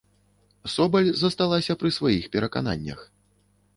Собаль засталася пры сваіх перакананнях.